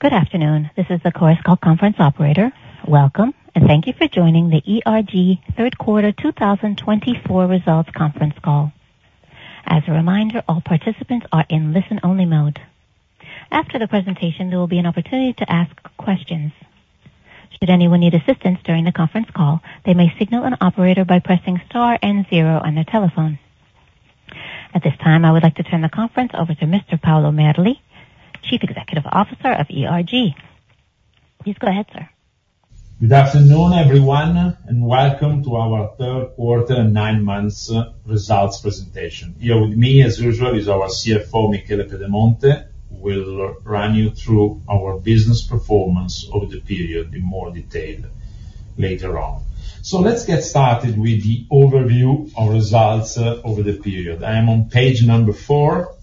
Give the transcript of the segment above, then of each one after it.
Good afternoon. This is the Chorus Call conference operator. Welcome, and thank you for joining the ERG Third Quarter 2024 results conference call. As a reminder, all participants are in listen-only mode. After the presentation, there will be an opportunity to ask questions. Should anyone need assistance during the conference call, they may signal an operator by pressing star and zero on their telephone. At this time, I would like to turn the conference over to Mr. Paolo Merli, Chief Executive Officer of ERG. Please go ahead, sir. Good afternoon, everyone, and welcome to our Third Quarter and Nine Months results presentation. Here with me, as usual, is our CFO, Michele Pedemonte, who will run you through our business performance over the period in more detail later on. So let's get started with the overview of results over the period. I am on page number four,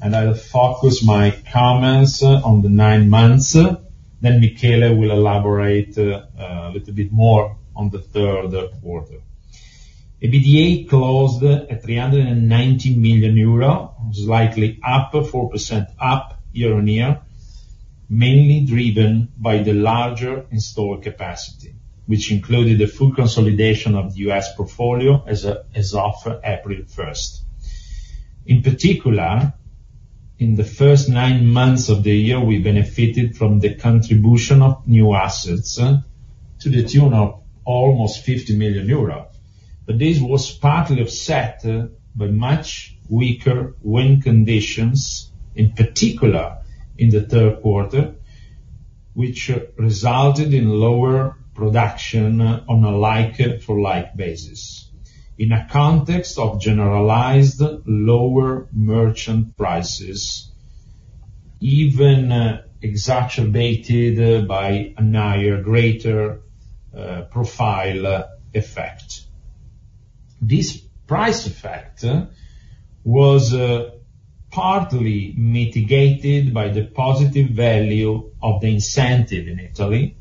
and I'll focus my comments on the nine months, then Michele will elaborate a little bit more on the third quarter. EBITDA closed at 390 million euro, slightly up, 4% up year on year, mainly driven by the larger in-service capacity, which included the full consolidation of the U.S. portfolio as of April 1st. In particular, in the first nine months of the year, we benefited from the contribution of new assets to the tune of almost 50 million euro, but this was partly offset by much weaker wind conditions, in particular in the third quarter, which resulted in lower production on a like-for-like basis in a context of generalized lower merchant prices, even exacerbated by a higher greater profile effect. This price effect was partly mitigated by the positive value of the incentive in Italy,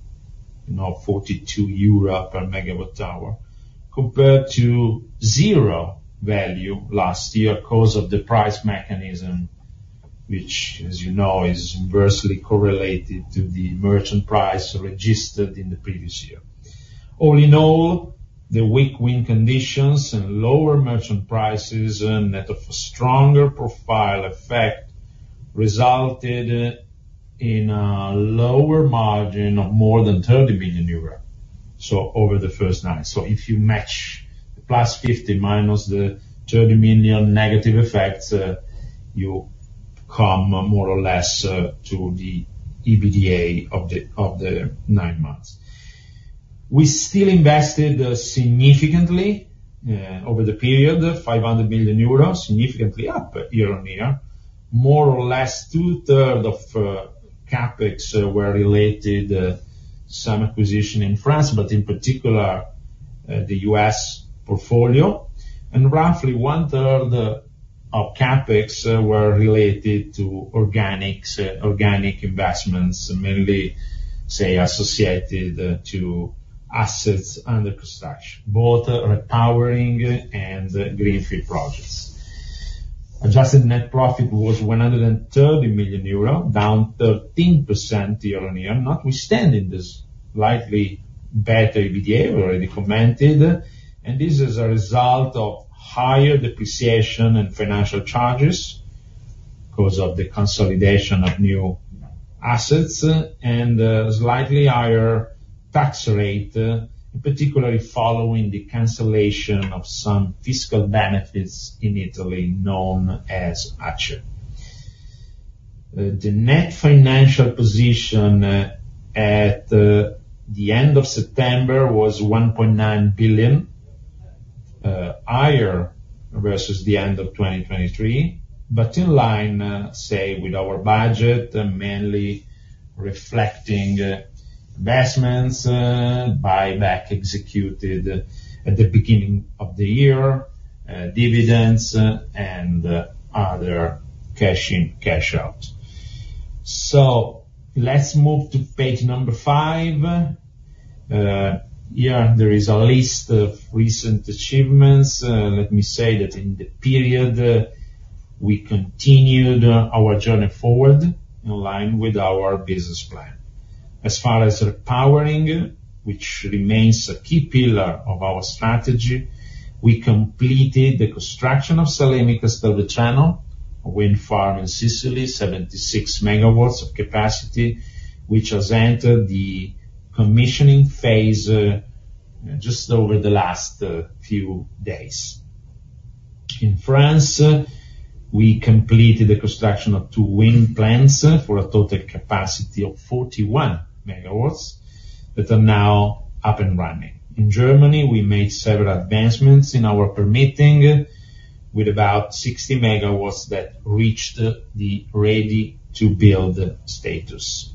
you know, 42 euro per MWh, compared to zero value last year because of the price mechanism, which, as you know, is inversely correlated to the merchant price registered in the previous year. All in all, the weak wind conditions and lower merchant prices and that of a stronger profile effect resulted in a lower margin of more than 30 million euro, so over the first nine. If you match the plus 50 minus the 30 million negative effects, you come more or less to the EBITDA of the nine months. We still invested significantly over the period, 500 million euros, significantly up year on year. More or less two-thirds of CapEx were related to some acquisition in France, but in particular the U.S. portfolio, and roughly one-third of CapEx were related to organic investments, mainly, say, associated to assets under construction, both repowering and greenfield projects. Adjusted net profit was 130 million euro, down 13% year on year, notwithstanding this slightly better EBITDA we already commented, and this is a result of higher depreciation and financial charges because of the consolidation of new assets and a slightly higher tax rate, particularly following the cancellation of some fiscal benefits in Italy known as ACE. The net financial position at the end of September was 1.9 billion, higher versus the end of 2023, but in line, say, with our budget, mainly reflecting investments, buyback executed at the beginning of the year, dividends, and other cash-in/cash-out, so let's move to page number five. Here, there is a list of recent achievements. Let me say that in the period, we continued our journey forward in line with our business plan. As far as repowering, which remains a key pillar of our strategy, we completed the construction of Salemi-Castello, a wind farm in Sicily, 76 MW of capacity, which has entered the commissioning phase just over the last few days. In France, we completed the construction of two wind plants for a total capacity of 41 MW that are now up and running. In Germany, we made several advancements in our permitting, with about 60 MW that reached the ready-to-build status.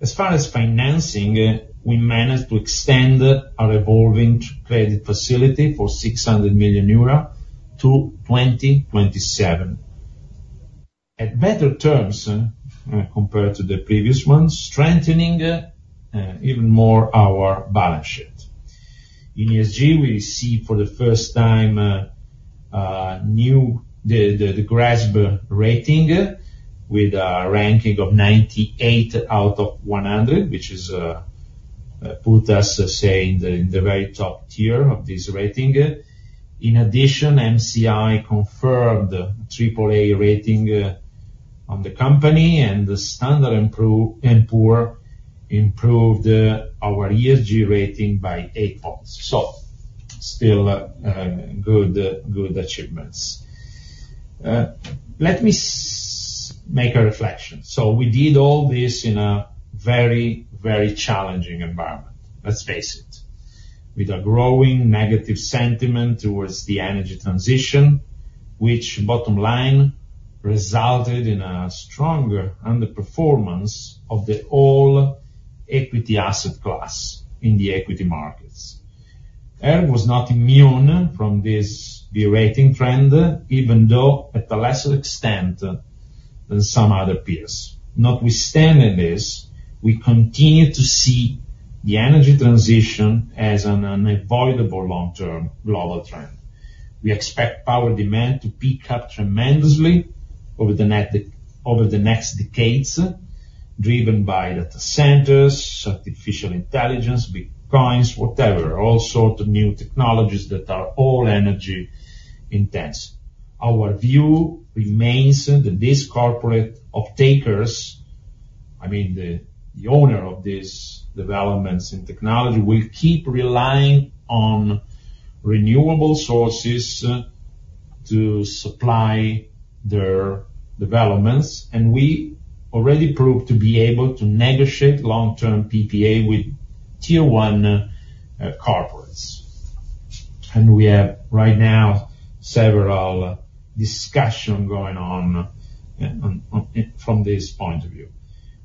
As far as financing, we managed to extend our evolving credit facility for 600 million euro to 2027. At better terms compared to the previous ones, strengthening even more our balance sheet. In ESG, we see for the first time the GRESB rating, with a ranking of 98 out of 100, which puts us, say, in the very top tier of this rating. In addition, MSCI confirmed the AAA rating on the company, and Standard & Poor's improved our ESG rating by eight points. So still good achievements. Let me make a reflection. So we did all this in a very, very challenging environment, let's face it, with a growing negative sentiment towards the energy transition, which, bottom line, resulted in a stronger underperformance of the all-equity asset class in the equity markets. ERG was not immune from this de-rating trend, even though at a lesser extent than some other peers. Notwithstanding this, we continue to see the energy transition as an unavoidable long-term global trend. We expect power demand to pick up tremendously over the next decades, driven by data centers, artificial intelligence, bitcoins, whatever, all sorts of new technologies that are all energy intense. Our view remains that these corporate offtakers, I mean, the owners of these developments in technology, will keep relying on renewable sources to supply their developments, and we already proved to be able to negotiate long-term PPA with tier-one corporates. We have right now several discussions going on from this point of view.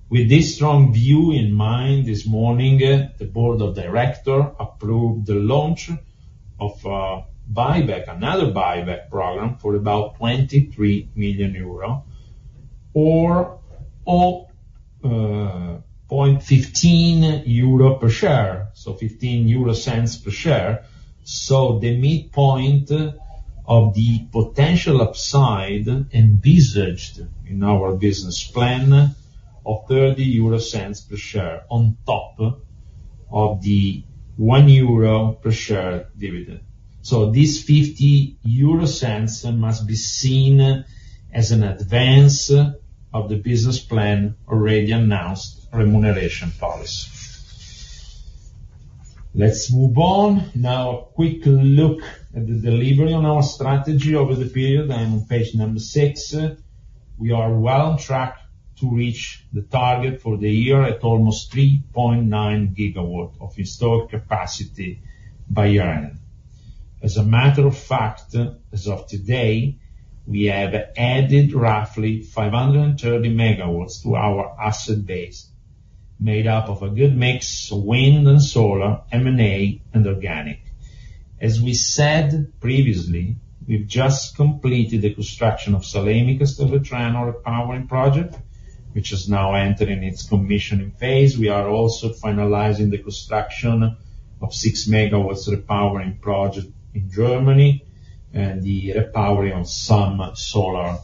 With this strong view in mind, this morning, the board of directors approved the launch of another buyback program for about 23 million euro or 0.15 euro per share, so 0.15 per share. So the midpoint of the potential upside envisaged in our business plan of 0.30 per share on top of the 1 euro per share dividend. So this 0.50 must be seen as an advance of the business plan already announced remuneration policy. Let's move on. Now, a quick look at the delivery on our strategy over the period. I'm on page number six. We are well on track to reach the target for the year at almost 3.9 GW of installed capacity by year-end. As a matter of fact, as of today, we have added roughly 530 MW to our asset base, made up of a good mix of wind and solar, M&A, and organic. As we said previously, we've just completed the construction of Salemi-Castello wind farm project, which is now entering its commissioning phase. We are also finalizing the construction of six MW of repowering project in Germany and the repowering of some solar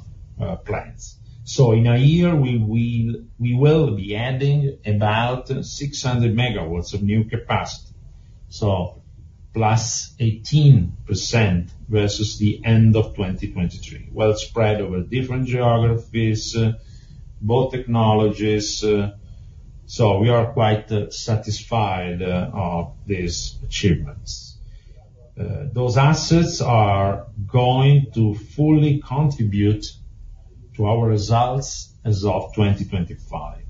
plants. So in a year, we will be adding about 600 MW of new capacity, so plus 18% versus the end of 2023, well spread over different geographies, both technologies. So we are quite satisfied of these achievements. Those assets are going to fully contribute to our results as of 2025.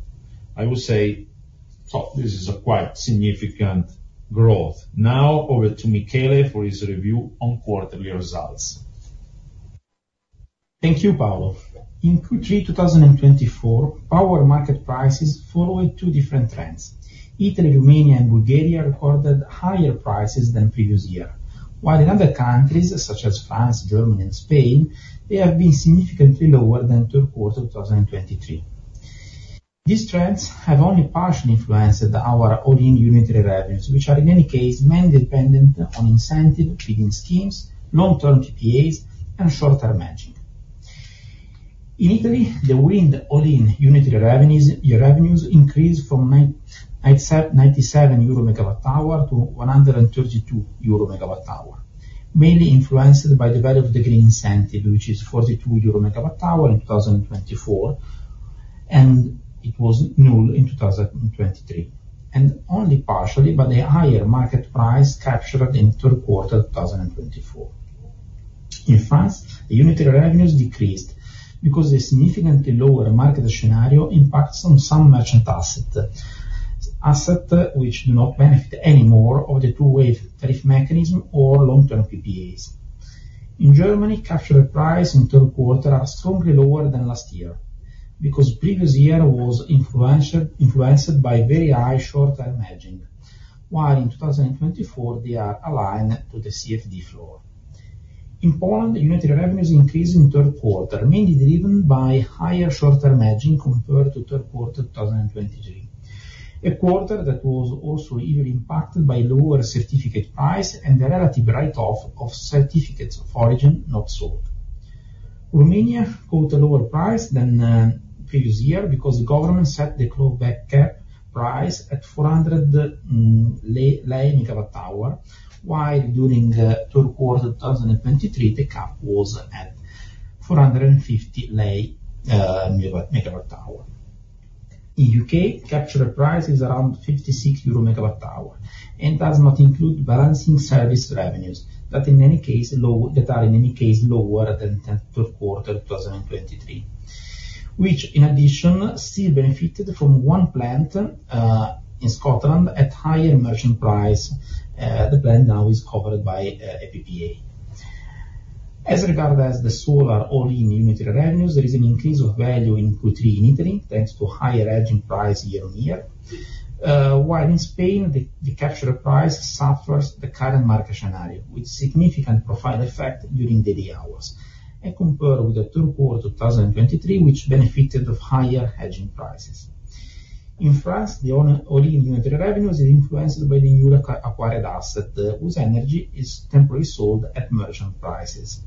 I would say, so this is a quite significant growth. Now, over to Michele for his review on quarterly results. Thank you, Paulo. In Q3 2024, power market prices followed two different trends. Italy, Romania, and Bulgaria recorded higher prices than previous year, while in other countries such as France, Germany, and Spain, they have been significantly lower than Q3 2023. These trends have only partially influenced our all-in unitary revenues, which are in any case mainly dependent on incentive-feeding schemes, long-term PPAs, and short-term matching. In Italy, the wind all-in unitary revenues increased from 97 euro MWh to 132 euro MWh, mainly influenced by the value of the green incentive, which is 42 euro MWh in 2024, and it was null in 2023, and only partially, but a higher market price captured in Q3 2024. In France, the unitary revenues decreased because the significantly lower market scenario impacts on some merchant assets, which do not benefit anymore of the two-way tariff mechanism or long-term PPAs. In Germany, capture price in Q3 are strongly lower than last year because the previous year was influenced by very high short-term matching, while in 2024, they are aligned to the CFD floor. In Poland, unitary revenues increased in Q3, mainly driven by higher short-term matching compared to Q3 2023, a quarter that was also even impacted by lower certificate price and the relative write-off of certificates of origin not sold. Romania quoted a lower price than previous year because the government set the clawback cap price at EUR 400 MWh, while during Q4 2023, the cap was at 450 MWh. In the U.K., capture price is around 56 euro MWh and does not include balancing service revenues that, in any case, are lower than Q3 2023, which, in addition, still benefited from one plant in Scotland at higher merchant price. The plant now is covered by a PPA. As regards the solar all-in unitary revenues, there is an increase of value in Q3 in Italy thanks to higher hedging price year on year, while in Spain, the capture price suffers the current market scenario, which significantly profile effect during daily hours, and compared with Q4 2023, which benefited of higher hedging prices. In France, the all-in unitary revenues are influenced by the newly acquired asset, whose energy is temporarily sold at merchant prices.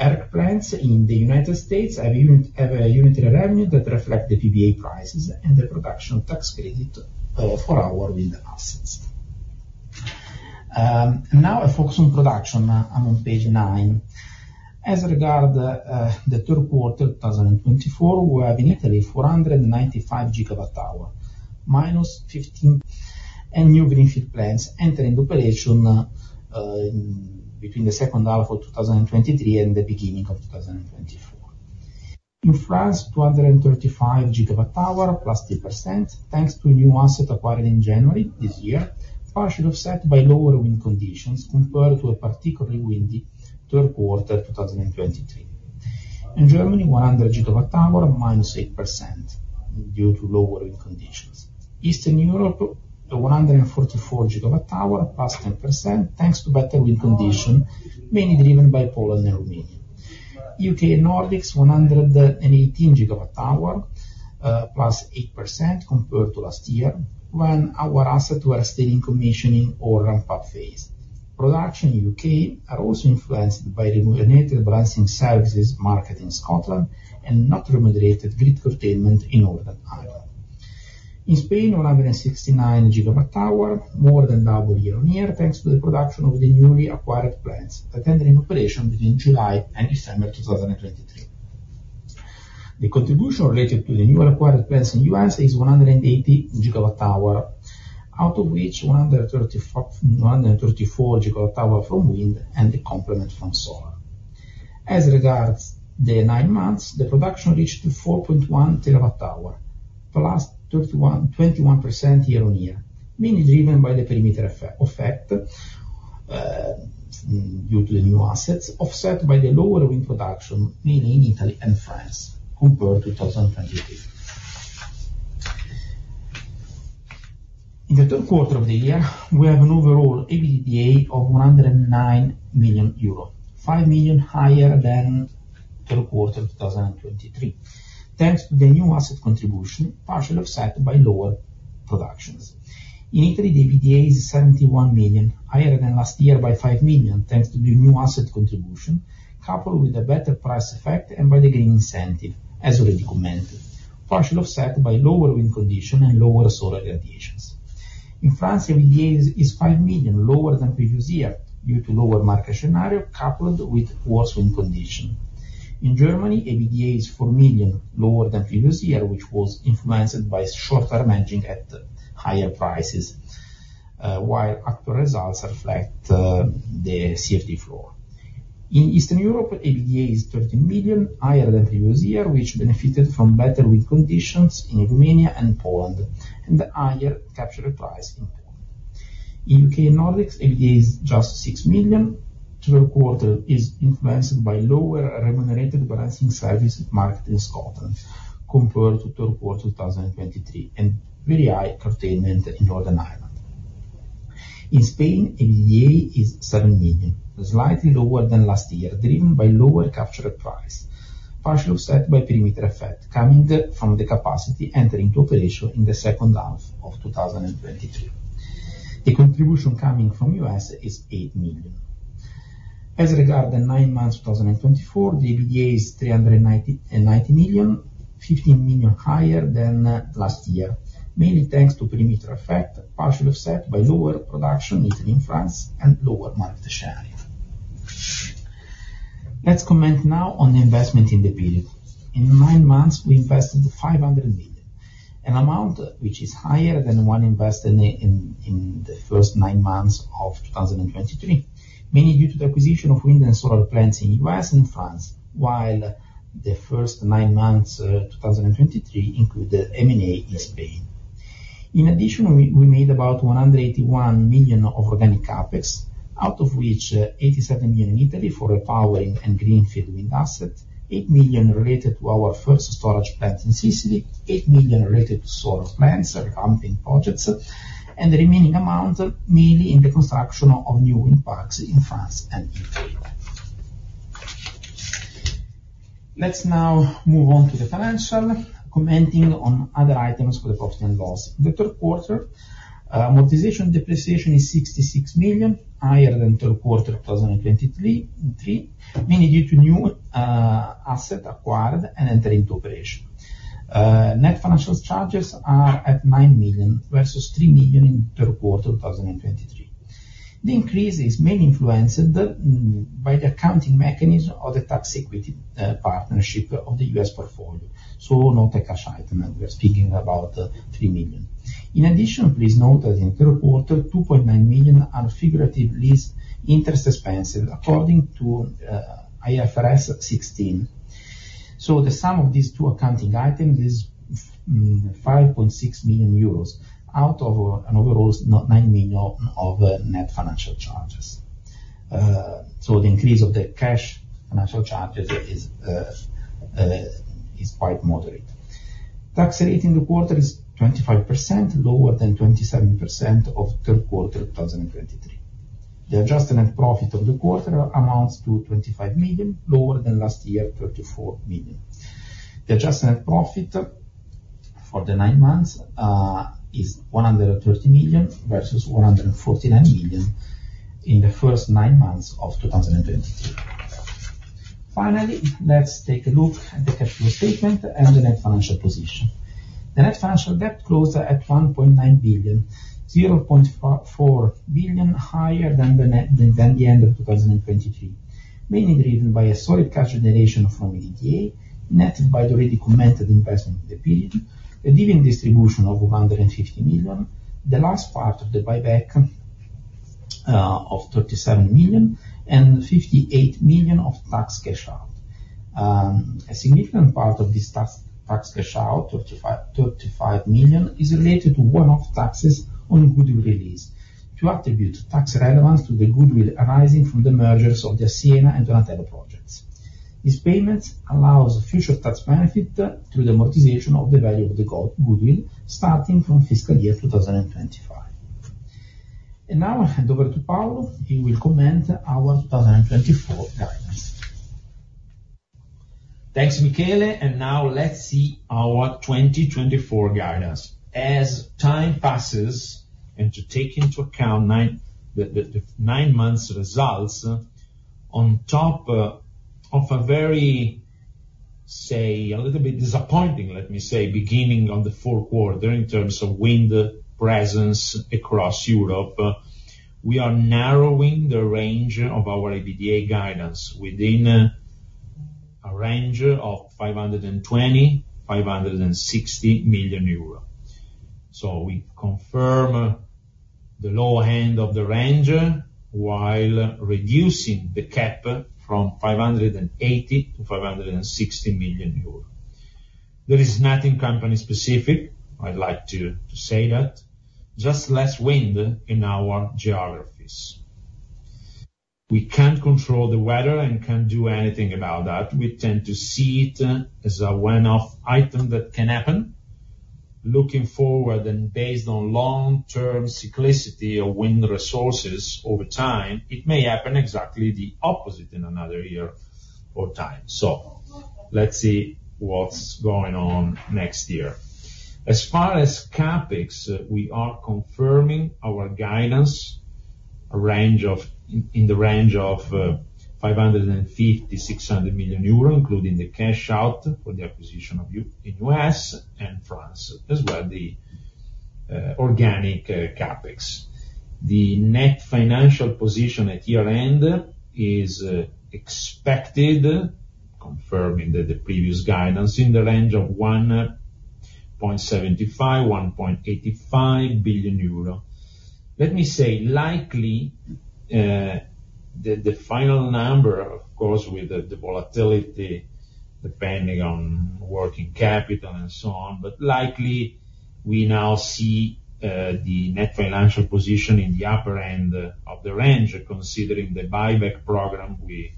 ERG plants in the United States have a unitary revenue that reflects the PPA prices and the production tax credit for our wind assets. Now, a focus on production on page nine. As regards the Q4 2024, we have in Italy 495 GWh, minus 15. New greenfield plants entering operation between the second half of 2023 and the beginning of 2024. In France, 235 GWh, plus 3%, thanks to new asset acquired in January this year, partially offset by lower wind conditions compared to a particularly windy Q4 2023. In Germany, 100 GWh, minus 8% due to lower wind conditions. Eastern Europe, 144 GWh, plus 10%, thanks to better wind conditions, mainly driven by Poland and Romania. U.K. and Nordics, 118 GWh, plus 8% compared to last year, when our assets were still in commissioning or ramp-up phase. Production in the U.K. is also influenced by remunerated balancing services market in Scotland and not remunerated grid containment in Northern Ireland. In Spain, 169 GWh, more than double year on year, thanks to the production of the newly acquired plants that enter in operation between July and December 2023. The contribution related to the newly acquired plants in the U.S. is 180 GWh, out of which 134 GWh from wind and the complement from solar. As regards the nine months, the production reached 4.1 terawatt hour, plus 21% year on year, mainly driven by the perimeter effect due to the new assets, offset by the lower wind production, mainly in Italy and France compared to 2023. In the third quarter of the year, we have an overall EBITDA of 109 million euro, 5 million higher than Q4 2023, thanks to the new asset contribution, partially offset by lower productions. In Italy, the EBITDA is 71 million, higher than last year by 5 million, thanks to the new asset contribution, coupled with a better price effect and by the green incentive, as already commented, partially offset by lower wind conditions and lower solar irradiations. In France, EBITDA is 5 million, lower than previous year due to lower market scenario coupled with worse wind conditions. In Germany, EBITDA is 4 million, lower than previous year, which was influenced by short-term matching at higher prices, while actual results reflect the CFD floor. In Eastern Europe, EBITDA is 13 million, higher than previous year, which benefited from better wind conditions in Romania and Poland, and the higher capture price in Poland. In U.K. and Nordics, EBITDA is just 6 million. Q4 is influenced by lower remunerated balancing service market in Scotland compared to Q4 2023 and very high containment in Northern Ireland. In Spain, EBITDA is 7 million, slightly lower than last year, driven by lower capture price, partially offset by perimeter effect coming from the capacity entering to operation in the second half of 2023. The contribution coming from the U.S. is 8 million. As regards the nine months of 2024, the EBITDA is 390 million, 15 million higher than last year, mainly thanks to perimeter effect, partially offset by lower production in Italy and France and lower market share. Let's comment now on the investment in the period. In nine months, we invested 500 million, an amount which is higher than one invested in the first nine months of 2023, mainly due to the acquisition of wind and solar plants in the U.S. and France, while the first nine months of 2023 included M&A in Spain. In addition, we made about 181 million of organic CapEx, out of which 87 million in Italy for a repowering and greenfield wind asset, 8 million related to our first storage plant in Sicily, 8 million related to solar plants and pumping projects, and the remaining amount mainly in the construction of new wind parks in France and Italy. Let's now move on to the financials, commenting on other items for the profit and loss. The third quarter amortisation and depreciation is 66 million, higher than Q4 2023, mainly due to new assets acquired and entering into operation. Net financial charges are at 9 million versus 3 million in Q4 2023. The increase is mainly influenced by the accounting mechanism of the tax equity partnership of the U.S. portfolio, so note the cash item we're speaking about, 3 million. In addition, please note that in Q4, 2.9 million are financing interest expenses, according to IFRS 16. So the sum of these two accounting items is 5.6 million euros, out of an overall 9 million of net financial charges. So the increase of the cash financial charges is quite moderate. Tax rate in the quarter is 25%, lower than 27% of Q4 2023. The adjusted net profit of the quarter amounts to 25 million, lower than last year, 34 million. The adjusted net profit for the nine months is 130 million versus 149 million in the first nine months of 2023. Finally, let's take a look at the cash flow statement and the net financial position. The net financial debt closed at 1.9 billion, 0.4 billion higher than the end of 2023, mainly driven by a solid cash generation from EBITDA, net by the already commented investment in the period, a dividend distribution of 150 million, the last part of the buyback of 37 million, and 58 million of tax cash out. A significant part of this tax cash out, 35 million, is related to one-off taxes on goodwill release to attribute tax relevance to the goodwill arising from the mergers of the Siena and Donatello projects. These payments allow future tax benefit through the amortization of the value of the goodwill starting from fiscal year 2025. Now, hand over to Paolo. He will comment on our 2024 guidance. Thanks, Michele. Now, let's see our 2024 guidance. As time passes and to take into account the nine months' results on top of a very, say, a little bit disappointing, let me say, beginning of the fourth quarter in terms of wind presence across Europe, we are narrowing the range of our EBITDA guidance within a range of 520-560 million euro. So we confirm the lower end of the range while reducing the cap from 580 to 560 million euros. There is nothing company-specific. I'd like to say that. Just less wind in our geographies. We can't control the weather and can't do anything about that. We tend to see it as a one-off item that can happen. Looking forward and based on long-term cyclicity of wind resources over time, it may happen exactly the opposite in another year or time. So let's see what's going on next year. As far as CapEx, we are confirming our guidance in the range of 550-600 million euro, including the cash out for the acquisition in the U.S. and France as well, the organic CapEx. The net financial position at year-end is expected, confirming the previous guidance, in the range of 1.75-1.85 billion euro. Let me say, likely the final number, of course, with the volatility depending on working capital and so on, but likely we now see the net financial position in the upper end of the range, considering the buyback program we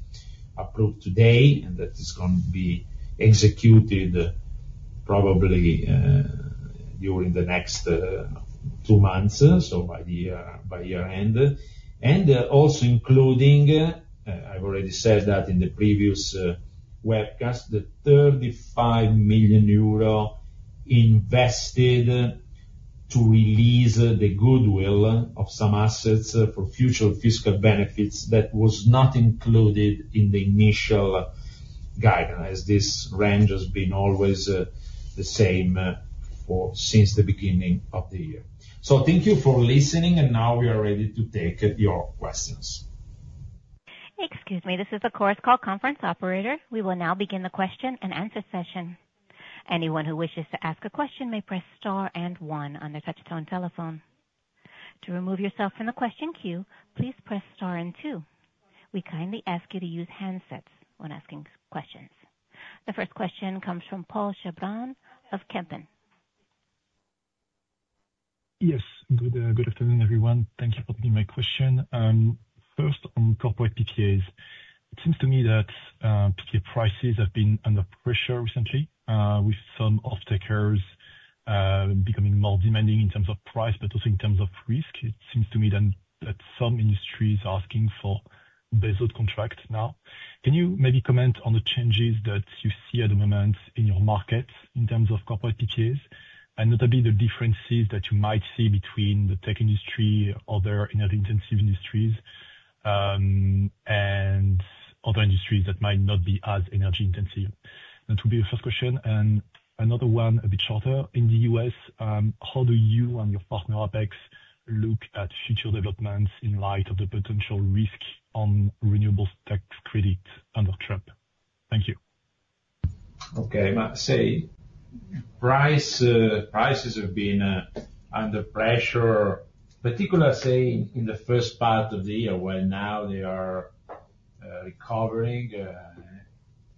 approved today, and that is going to be executed probably during the next two months, so by year-end. And also including, I've already said that in the previous webcast, the 35 million euro invested to release the goodwill of some assets for future fiscal benefits that was not included in the initial guidance, as this range has been always the same since the beginning of the year, so thank you for listening, and now we are ready to take your questions. Excuse me. This is the Chorus Call conference operator. We will now begin the question and answer session. Anyone who wishes to ask a question may press star and one on the touch-tone telephone. To remove yourself from the question queue, please press star and two. We kindly ask you to use handsets when asking questions. The first question comes from Paul Chabran of Kempen. Yes. Good afternoon, everyone. Thank you for taking my question. First, on corporate PPAs. It seems to me that PPA prices have been under pressure recently, with some off-takers becoming more demanding in terms of price, but also in terms of risk. It seems to me that some industries are asking for baseload contracts now. Can you maybe comment on the changes that you see at the moment in your market in terms of corporate PPAs, and notably the differences that you might see between the tech industry, other energy-intensive industries, and other industries that might not be as energy-intensive? That would be the first question. And another one, a bit shorter. In the U.S., how do you and your partner Apex look at future developments in light of the potential risk on renewable tax credits under Trump? Thank you. Okay. I must say, prices have been under pressure, particularly say in the first part of the year, while now they are recovering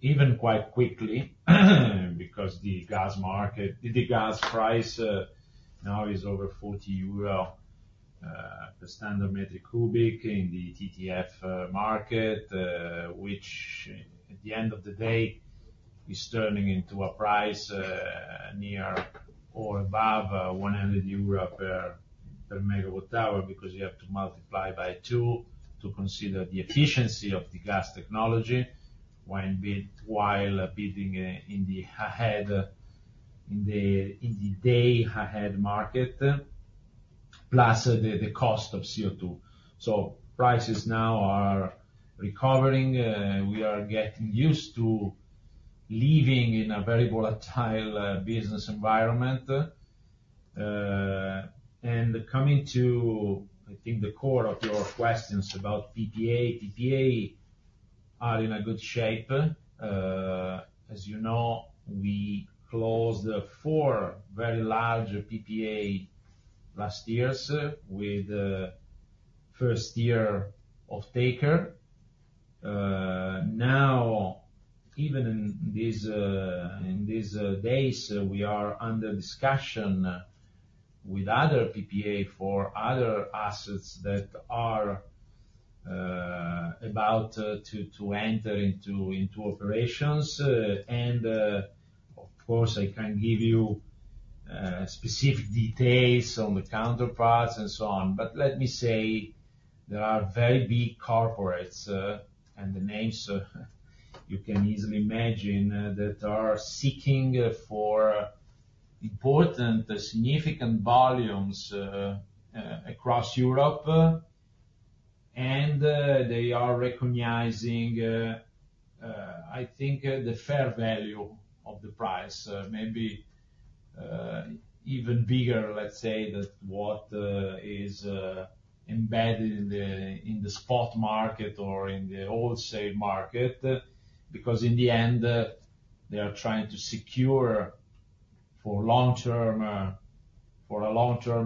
even quite quickly because the gas price now is over 40 euro per standard cubic meter in the TTF market, which at the end of the day is turning into a price near or above 100 euro per MWh because you have to multiply by two to consider the efficiency of the gas technology while bidding in the day-ahead market, plus the cost of CO2, so prices now are recovering. We are getting used to living in a very volatile business environment, and coming to, I think, the core of your questions about PPA, PPA are in good shape. As you know, we closed four very large PPA last years with first-year off-taker. Now, even in these days, we are under discussion with other PPA for other assets that are about to enter into operations. And of course, I can't give you specific details on the counterparts and so on, but let me say there are very big corporates and the names you can easily imagine that are seeking for important, significant volumes across Europe, and they are recognizing, I think, the fair value of the price, maybe even bigger, let's say, than what is embedded in the spot market or in the wholesale market because in the end, they are trying to secure for a long-term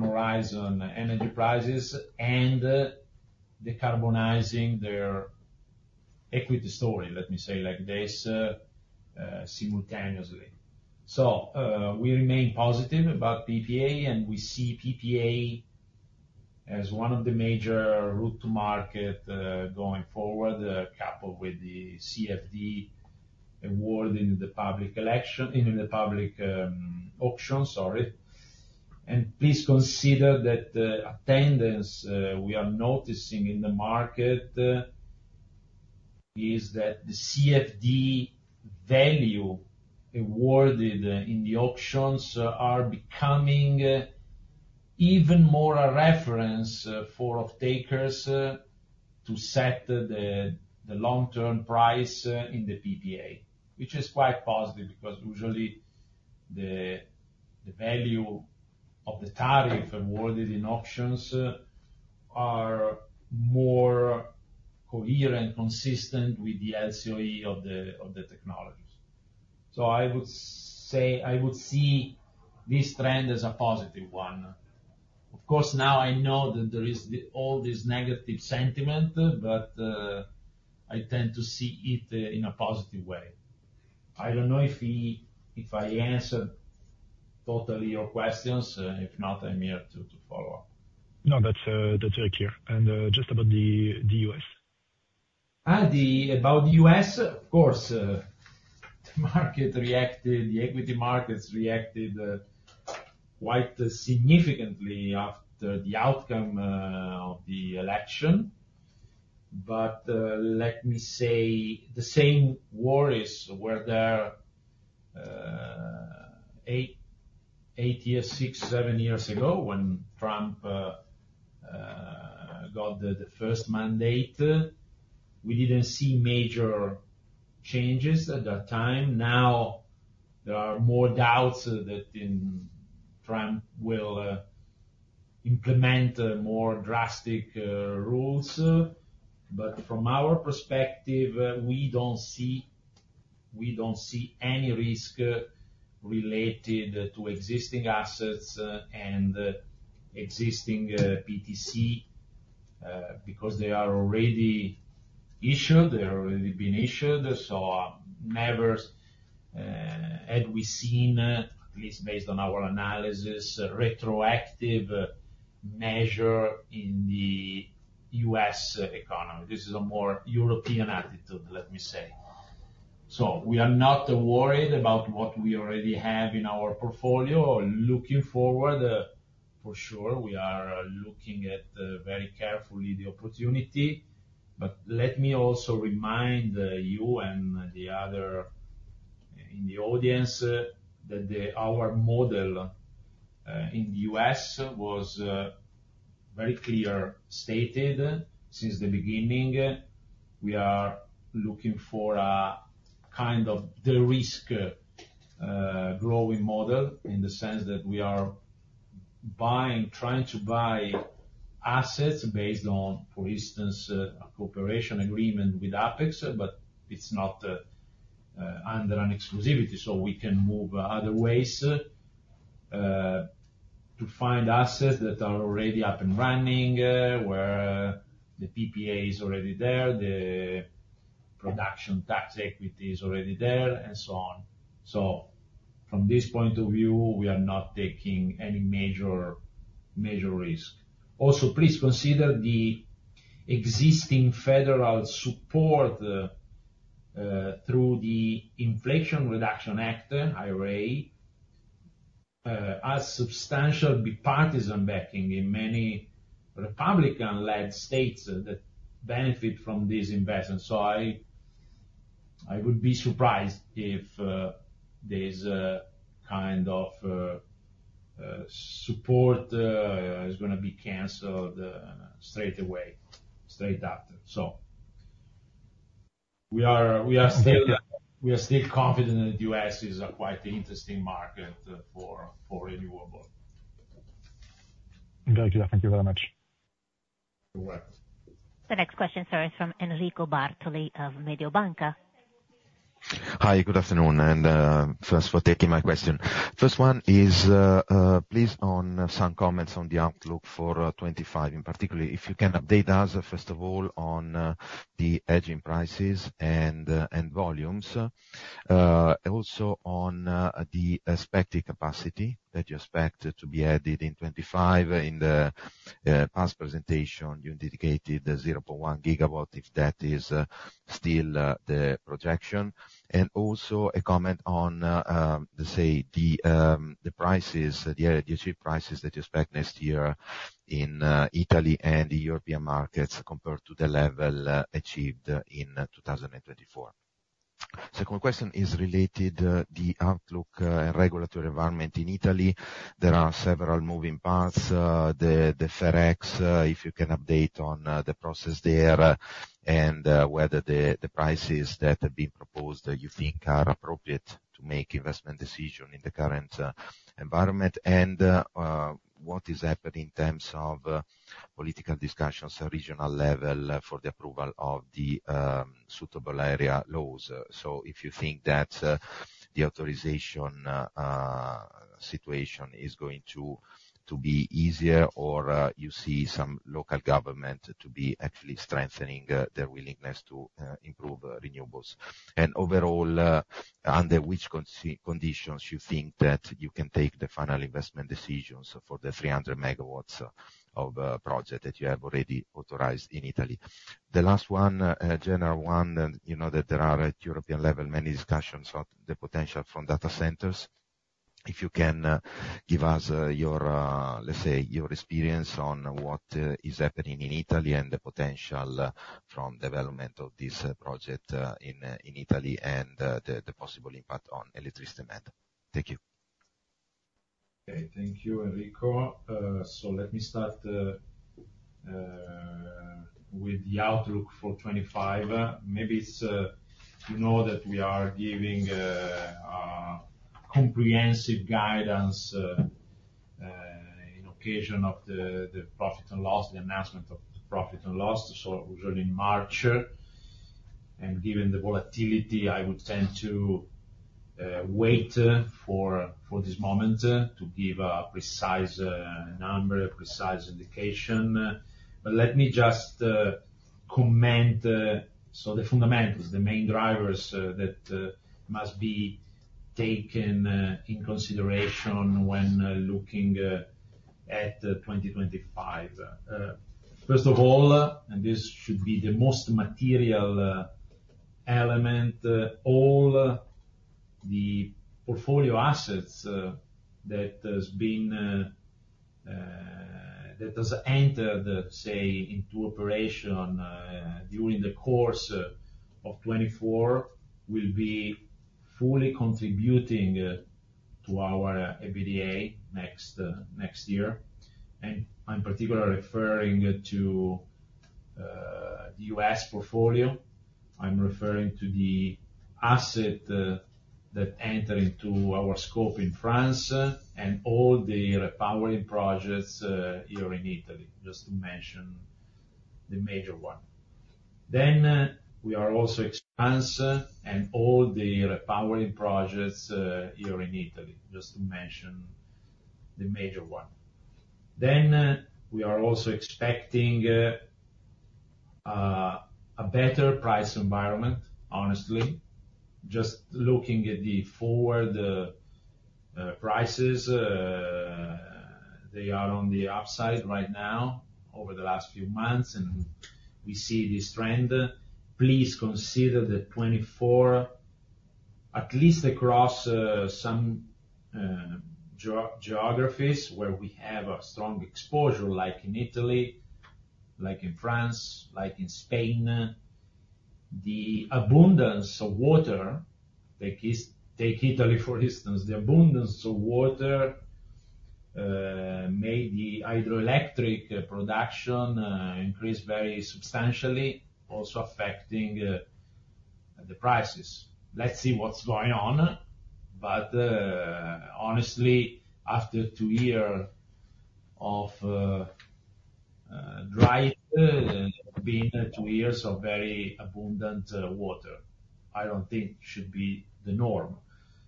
horizon energy prices and decarbonizing their equity story, let me say, like this simultaneously. So we remain positive about PPA, and we see PPA as one of the major route-to-market going forward, coupled with the CFD award in the public auction, sorry. Please consider that trend we are noticing in the market is that the CFD value awarded in the auctions are becoming even more a reference for off-takers to set the long-term price in the PPA, which is quite positive because usually the value of the tariff awarded in auctions are more coherent and consistent with the LCOE of the technologies. I would say I would see this trend as a positive one. Of course, now I know that there is all this negative sentiment, but I tend to see it in a positive way. I don't know if I answered totally your questions. If not, I'm here to follow up. No, that's very clear. Just about the U.S.? About the U.S., of course, the equity markets reacted quite significantly after the outcome of the election. But let me say the same worries were there eight years, six, seven years ago when Trump got the first mandate. We didn't see major changes at that time. Now, there are more doubts that Trump will implement more drastic rules. But from our perspective, we don't see any risk related to existing assets and existing PTC because they are already issued. They've already been issued. So never had we seen, at least based on our analysis, retroactive measure in the U.S. economy. This is a more European attitude, let me say. So we are not worried about what we already have in our portfolio. Looking forward, for sure, we are looking at very carefully the opportunity. But let me also remind you and the other in the audience that our model in the U.S. was very clearly stated since the beginning. We are looking for a kind of the risk-growing model in the sense that we are trying to buy assets based on, for instance, a cooperation agreement with Apex, but it's not under an exclusivity. So we can move other ways to find assets that are already up and running where the PPA is already there, the production tax equity is already there, and so on. So from this point of view, we are not taking any major risk. Also, please consider the existing federal support through the Inflation Reduction Act, IRA, as substantial bipartisan backing in many Republican-led states that benefit from these investments. So I would be surprised if this kind of support is going to be canceled straight away, straight after. So we are still confident that the U.S. is a quite interesting market for renewable. Thank you. Thank you very much. You're welcome. The next question, sorry, is from Enrico Bartoli of Mediobanca. Hi. Good afternoon, and thanks for taking my question. First one is, please, on some comments on the outlook for 2025, in particular, if you can update us, first of all, on the hedging prices and volumes. Also on the expected capacity that you expect to be added in 2025. In the past presentation, you indicated 0.1 GW if that is still the projection. And also a comment on, let's say, the prices, the achieved prices that you expect next year in Italy and the European markets compared to the level achieved in 2024. Second question is related to the outlook and regulatory environment in Italy. There are several moving parts. The FER X, if you can update on the process there and whether the prices that have been proposed you think are appropriate to make investment decisions in the current environment, and what is happening in terms of political discussions at regional level for the approval of the suitable areas laws. So if you think that the authorization situation is going to be easier or you see some local government to be actually strengthening their willingness to improve renewables, and overall, under which conditions you think that you can take the final investment decisions for the 300 MW of projects that you have already authorized in Italy. The last one, general one, that there are at European level many discussions on the potential from data centers. If you can give us, let's say, your experience on what is happening in Italy and the potential from development of this project in Italy and the possible impact on electricity demand. Thank you. Okay. Thank you, Enrico. So let me start with the outlook for 2025. Maybe you know that we are giving comprehensive guidance in occasion of the profit and loss, the announcement of the profit and loss, so usually in March. And given the volatility, I would tend to wait for this moment to give a precise number, a precise indication. But let me just comment. So the fundamentals, the main drivers that must be taken in consideration when looking at 2025. First of all, and this should be the most material element, all the portfolio assets that has entered, say, into operation during the course of 2024 will be fully contributing to our EBITDA next year. I'm particularly referring to the U.S. portfolio. I'm referring to the asset that entered into our scope in France and all the repowering projects here in Italy, just to mention the major one. Then we are also expecting a better price environment, honestly. Just looking at the forward prices, they are on the upside right now over the last few months, and we see this trend. Please consider that 2024, at least across some geographies where we have a strong exposure like in Italy, like in France, like in Spain, the abundance of water, take Italy, for instance, the abundance of water made the hydroelectric production increase very substantially, also affecting the prices. Let's see what's going on. But honestly, after two years of dry, it's been two years of very abundant water. I don't think it should be the norm.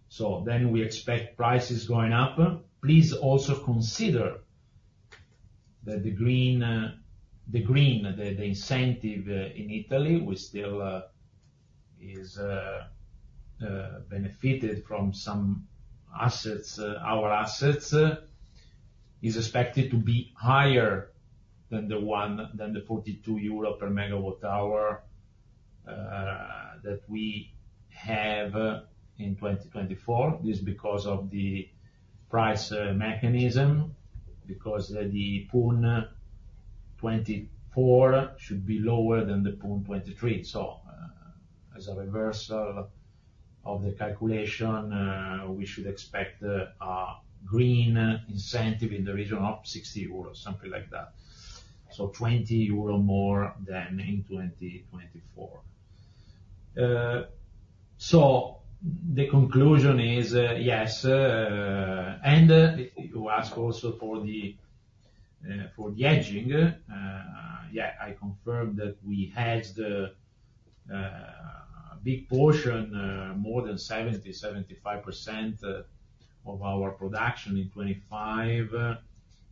So then we expect prices going up. Please also consider that the green, the incentive in Italy, which still is benefited from some assets, our assets, is expected to be higher than the 42 EUR per MWh that we have in 2024. This is because of the price mechanism, because the PUN24 should be lower than the PUN23. So as a reversal of the calculation, we should expect a green incentive in the region of 60 euros, something like that. So 20 euro more than in 2024. So the conclusion is, yes. And you ask also for the hedging. Yeah, I confirmed that we had a big portion, more than 70%-75% of our production in 2025,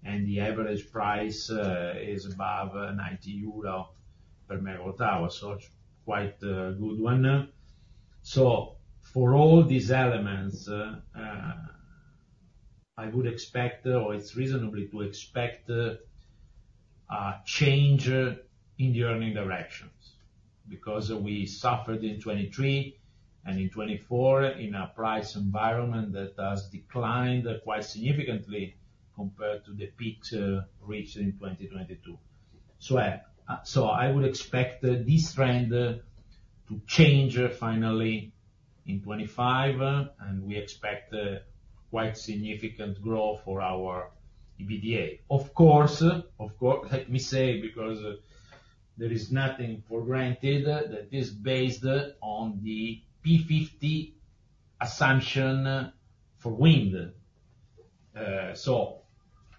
and the average price is above 90 euro per MWh. So it's quite a good one. So for all these elements, I would expect, or it's reasonable to expect a change in the earning directions because we suffered in 2023 and in 2024 in a price environment that has declined quite significantly compared to the peak reached in 2022. So I would expect this trend to change finally in 2025, and we expect quite significant growth for our EBITDA. Of course, let me say, because there is nothing for granted that is based on the P50 assumption for wind. So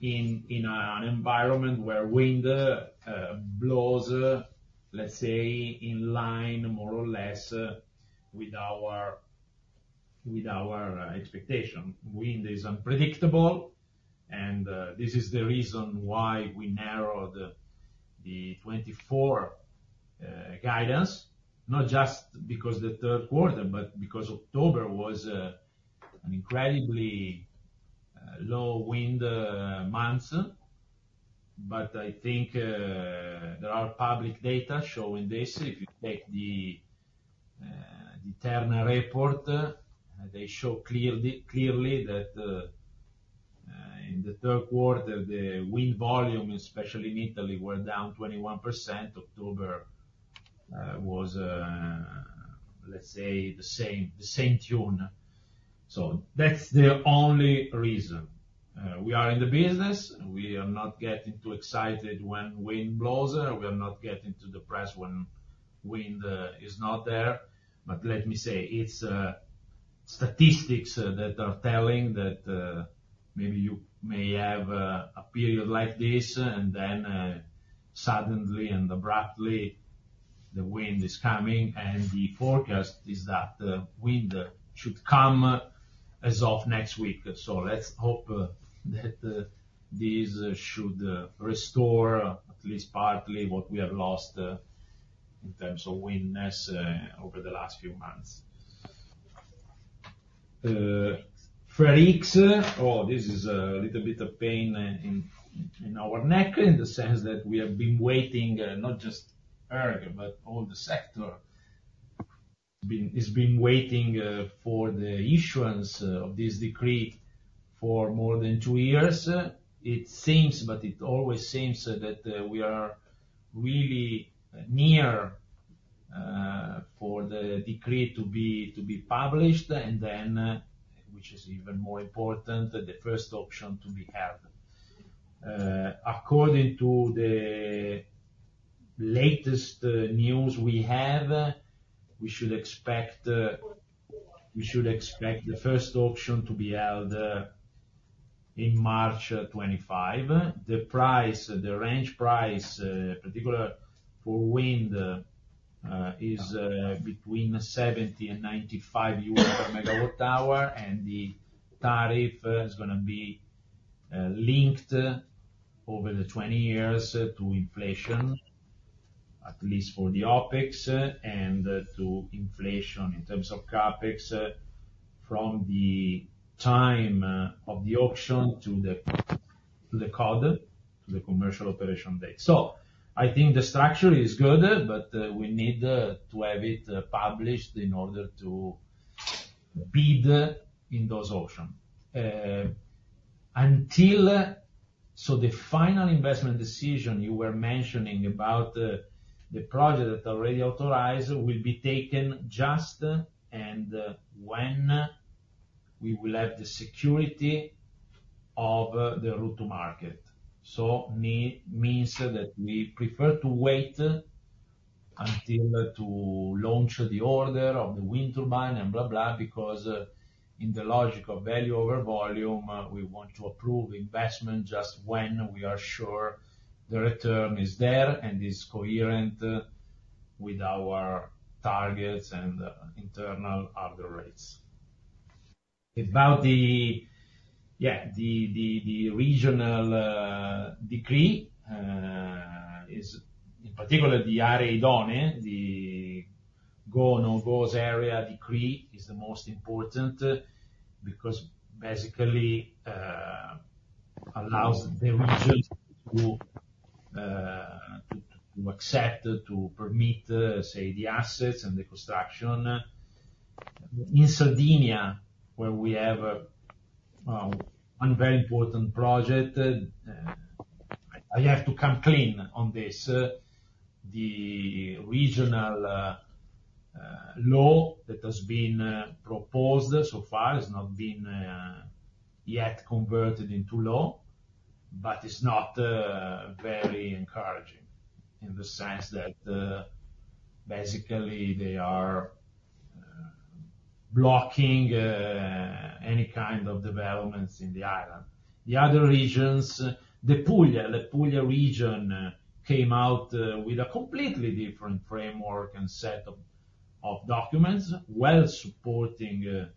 in an environment where wind blows, let's say, in line more or less with our expectation, wind is unpredictable. This is the reason why we narrowed the 2024 guidance, not just because of the third quarter, but because October was an incredibly low wind month. I think there are public data showing this. If you take the internal report, they show clearly that in the third quarter, the wind volume, especially in Italy, were down 21%. October was, let's say, the same tune. That's the only reason. We are in the business. We are not getting too excited when wind blows. We are not getting to the press when wind is not there. Let me say, it's statistics that are telling that maybe you may have a period like this, and then suddenly and abruptly, the wind is coming. The forecast is that wind should come as of next week. So let's hope that these should restore, at least partly, what we have lost in terms of windiness over the last few months. FER X, oh, this is a little bit of a pain in our neck in the sense that we have been waiting, not just ERG, but all the sector has been waiting for the issuance of this decree for more than two years. It seems, but it always seems that we are really near for the decree to be published, and then, which is even more important, the first auction to be held. According to the latest news we have, we should expect the first auction to be held in March 2025. The price, the range price, particularly for wind, is between 70 and 95 euros per MWh, and the tariff is going to be linked over the 20 years to inflation, at least for the OpEx, and to inflation in terms of CapEx from the time of the auction to the COD, to the commercial operation date. I think the structure is good, but we need to have it published in order to bid in those auctions. The final investment decision you were mentioning about the project that is already authorized will be taken just when we will have the security of the route to market. It means that we prefer to wait until to launch the order of the wind turbine and blah, blah, because in the logic of value over volume, we want to approve investment just when we are sure the return is there and is coherent with our targets and internal other rates. About the, yeah, the regional decree, in particular, the Aree idonee, the Go/No-Gos' area decree is the most important because basically allows the region to accept, to permit, say, the assets and the construction. In Sardinia, where we have one very important project, I have to come clean on this. The regional law that has been proposed so far has not been yet converted into law, but it's not very encouraging in the sense that basically they are blocking any kind of developments in the island. The other regions, the Puglia, the Puglia region came out with a completely different framework and set of documents, well supporting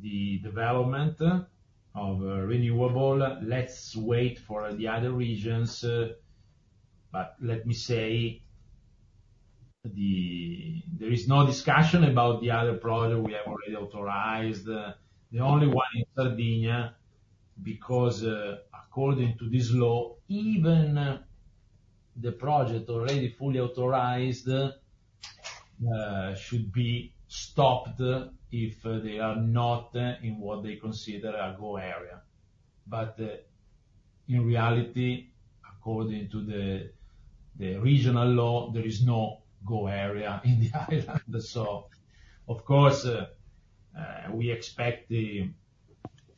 the development of renewable. Let's wait for the other regions. But let me say, there is no discussion about the other project we have already authorized. The only one in Sardinia, because according to this law, even the project already fully authorized should be stopped if they are not in what they consider a GO area. But in reality, according to the regional law, there is no GO area in the island. So of course, we expect the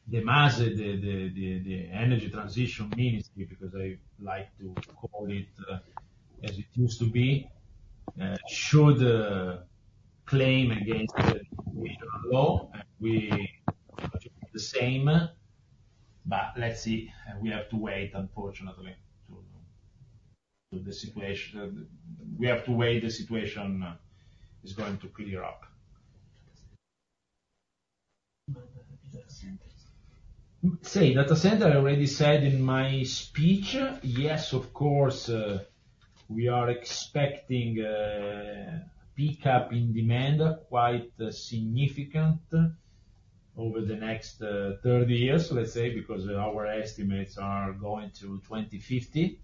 MASE, the Energy Transition Ministry, because I like to call it as it used to be, should claim against the regional law. We are the same. But let's see. We have to wait, unfortunately, to the situation. We have to wait the situation is going to clear up. Say, data center, I already said in my speech, yes, of course, we are expecting a pickup in demand quite significant over the next 30 years, let's say, because our estimates are going to 2050,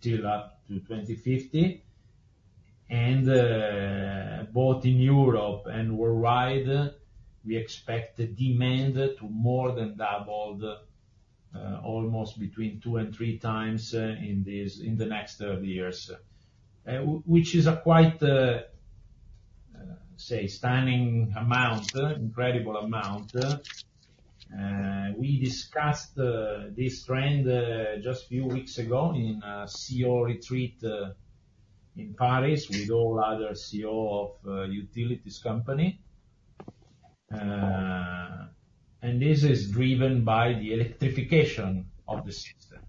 till up to 2050. Both in Europe and worldwide, we expect demand to more than doubled, almost between two and three times in the next 30 years, which is a quite, say, stunning amount, incredible amount. We discussed this trend just a few weeks ago in CEO retreat in Paris with all other CEO of utilities company. This is driven by the electrification of the system.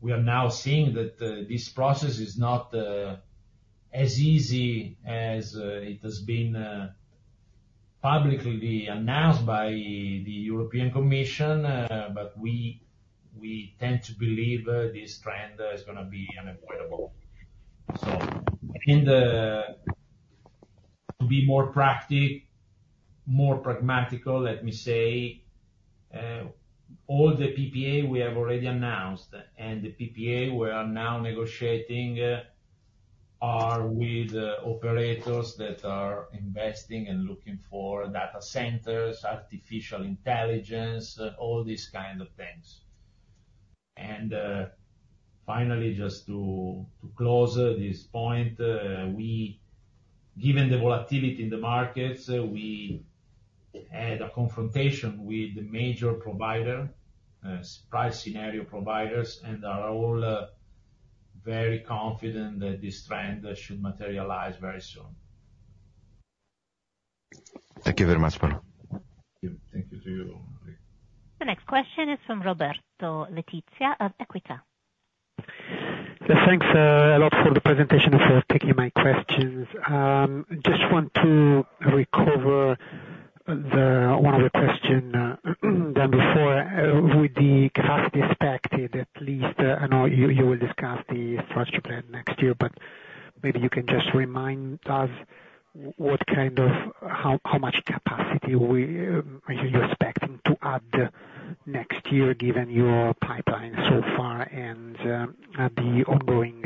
We are now seeing that this process is not as easy as it has been publicly announced by the European Commission, but we tend to believe this trend is going to be unavoidable. So to be more practical, let me say, all the PPA we have already announced and the PPA we are now negotiating are with operators that are investing and looking for data centers, artificial intelligence, all these kinds of things. And finally, just to close this point, given the volatility in the markets, we had a confrontation with the major providers, price scenario providers, and are all very confident that this trend should materialize very soon. Thank you very much, Paulo. Thank you. Thank you to you. The next question is from Roberto Letizia of Equita. Thanks a lot for the presentation and for taking my questions. Just want to recover one of the questions done before with the capacity expected, at least. I know you will discuss the strategic plan next year, but maybe you can just remind us what kind of how much capacity you're expecting to add next year, given your pipeline so far and the ongoing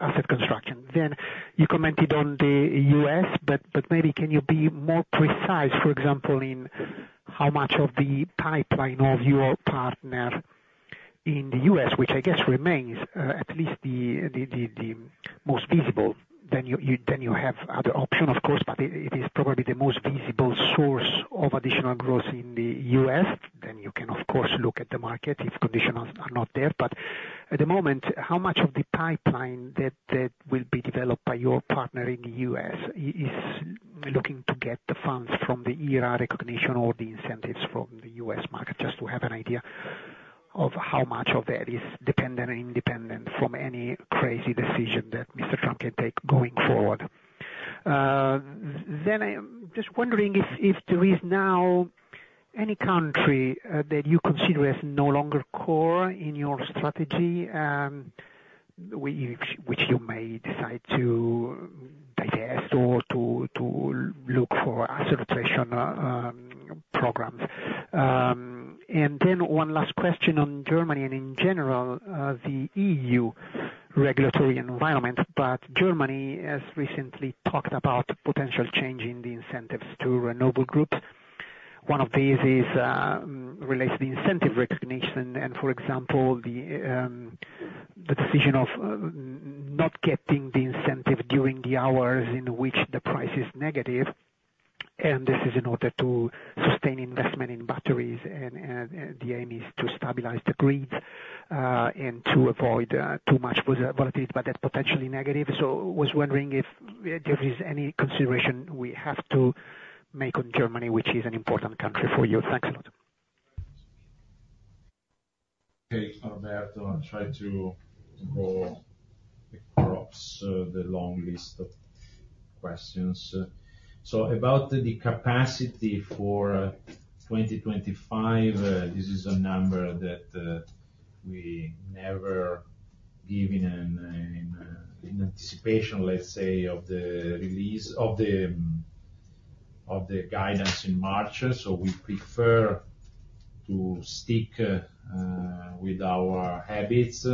asset construction. Then you commented on the U.S., but maybe can you be more precise, for example, in how much of the pipeline of your partner in the U.S., which I guess remains, at least the most visible. Then you have other options, of course, but it is probably the most visible source of additional growth in the U.S. Then you can, of course, look at the market if conditions are not there. But at the moment, how much of the pipeline that will be developed by your partner in the U.S. is looking to get the funds from the IRA recognition or the incentives from the U.S. market, just to have an idea of how much of that is dependent and independent from any crazy decision that Mr. Trump can take going forward? Then I'm just wondering if there is now any country that you consider as no longer core in your strategy, which you may decide to divest or to look for asset rotation programs? And then one last question on Germany and in general, the EU regulatory environment. But Germany has recently talked about potential change in the incentives to renewable group. One of these is related to incentive recognition and, for example, the decision of not getting the incentive during the hours in which the price is negative. This is in order to sustain investment in batteries, and the aim is to stabilize the grid and to avoid too much volatility, but that's potentially negative. I was wondering if there is any consideration we have to make on Germany, which is an important country for you. Thanks a lot. Okay. Roberto, I'll try to tackle the queue, the long list of questions. About the capacity for 2025, this is a number that we never give in anticipation, let's say, of the release of the guidance in March. We prefer to stick with our habits.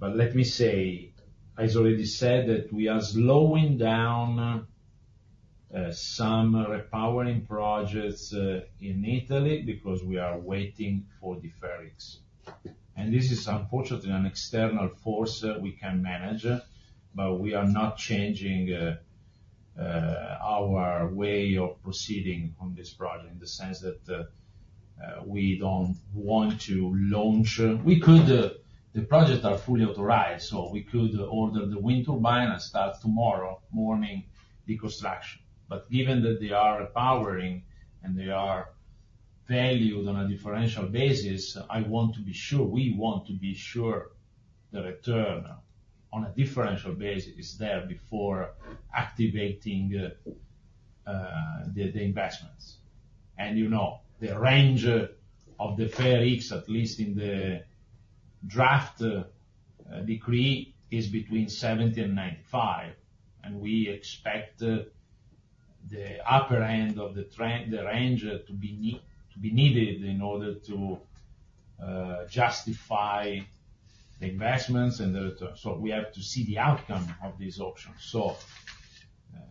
Let me say, I already said that we are slowing down some repowering projects in Italy because we are waiting for the FER X. This is, unfortunately, an external force we can manage, but we are not changing our way of proceeding on this project in the sense that we don't want to launch. The projects are fully authorized, so we could order the wind turbine and start tomorrow morning the construction. But given that they are repowering and they are valued on a differential basis, I want to be sure we want to be sure the return on a differential basis is there before activating the investments. The range of the FER X, at least in the draft decree, is between 70 and 95. We expect the upper end of the range to be needed in order to justify the investments and the return. We have to see the outcome of these auctions. So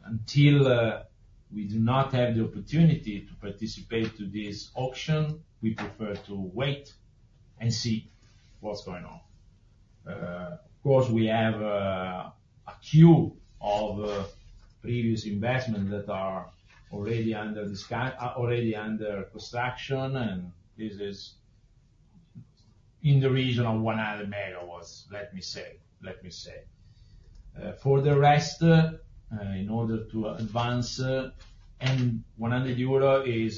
until we do not have the opportunity to participate to this auction, we prefer to wait and see what's going on. Of course, we have a queue of previous investments that are already under construction, and this is in the region of 100 MW, let me say. For the rest, in order to advance, and 100 MW is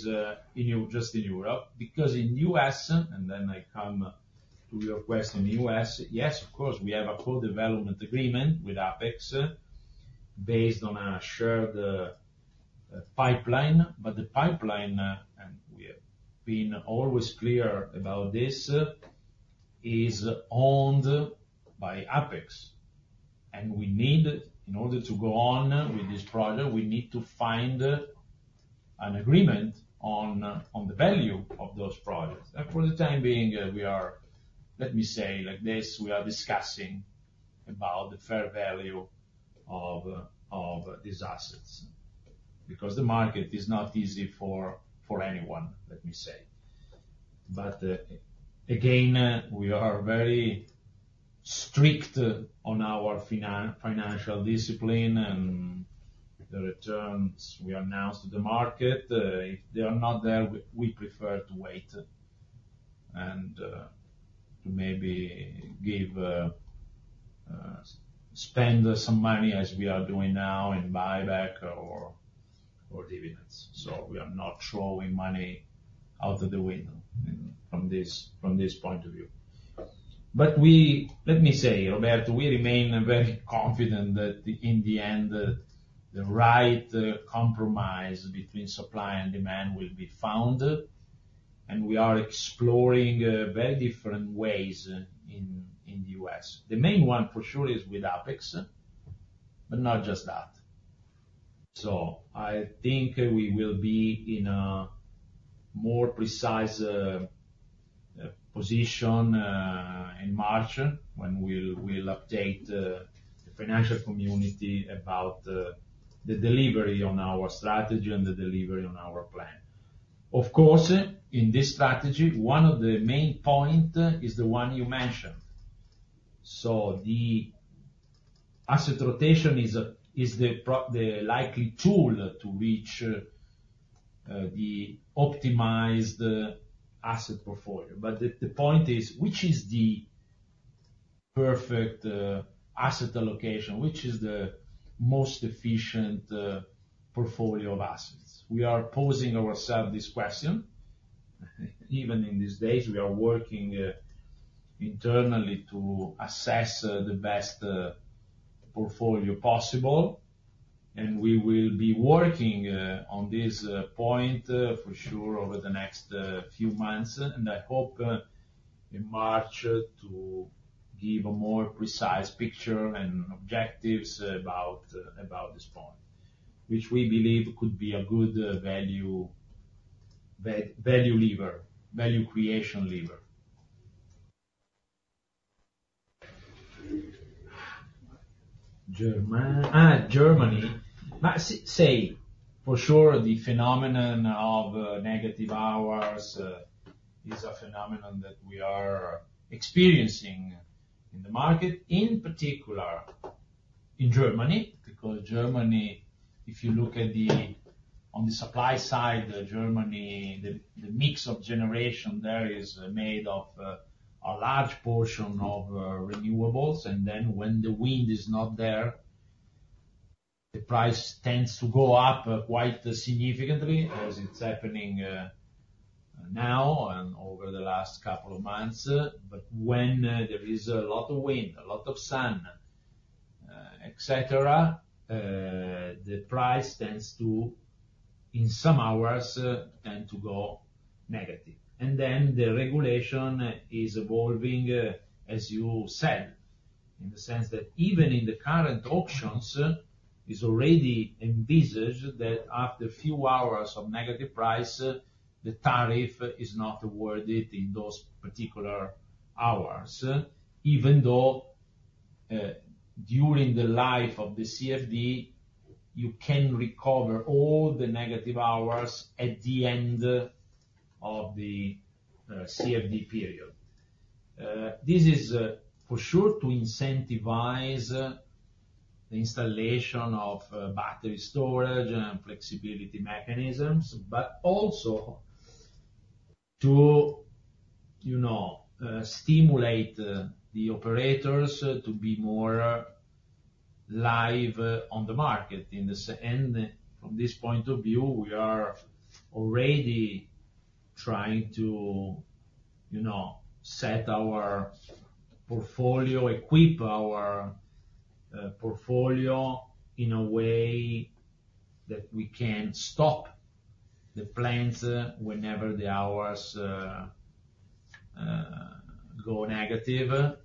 just in Europe. Because in the U.S., and then I come to your question in the U.S., yes, of course, we have a co-development agreement with Apex based on a shared pipeline. But the pipeline, and we have been always clear about this, is owned by Apex. And we need, in order to go on with this project, we need to find an agreement on the value of those projects. For the time being, we are, let me say, like this, we are discussing about the fair value of these assets because the market is not easy for anyone, let me say. But again, we are very strict on our financial discipline and the returns we announce to the market. If they are not there, we prefer to wait and to maybe spend some money as we are doing now in buyback or dividends. So we are not throwing money out of the window from this point of view. But let me say, Roberto, we remain very confident that in the end, the right compromise between supply and demand will be found. We are exploring very different ways in the U.S. The main one, for sure, is with Apex, but not just that. So I think we will be in a more precise position in March when we'll update the financial community about the delivery on our strategy and the delivery on our plan. Of course, in this strategy, one of the main points is the one you mentioned. So the asset rotation is the likely tool to reach the optimized asset portfolio. But the point is, which is the perfect asset allocation? Which is the most efficient portfolio of assets? We are posing ourselves this question. Even in these days, we are working internally to assess the best portfolio possible. And we will be working on this point, for sure, over the next few months. And I hope in March to give a more precise picture and objectives about this point, which we believe could be a good value creation lever. Germany. Say for sure, the phenomenon of negative hours is a phenomenon that we are experiencing in the market, in particular in Germany, because Germany, if you look at the supply side, Germany, the mix of generation there is made of a large portion of renewables. And then when the wind is not there, the price tends to go up quite significantly, as it's happening now and over the last couple of months. But when there is a lot of wind, a lot of sun, etc., the price tends to, in some hours, tend to go negative. And then the regulation is evolving, as you said, in the sense that even in the current auctions, it's already envisaged that after a few hours of negative price, the tariff is not awarded in those particular hours, even though during the life of the CFD, you can recover all the negative hours at the end of the CFD period. This is for sure to incentivize the installation of battery storage and flexibility mechanisms, but also to stimulate the operators to be more live on the market. And from this point of view, we are already trying to set our portfolio, equip our portfolio in a way that we can stop the plants whenever the hours go negative